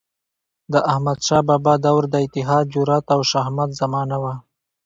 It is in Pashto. د احمدشاه بابا دور د اتحاد، جرئت او شهامت زمانه وه.